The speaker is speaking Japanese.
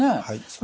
はい。